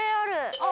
あっ！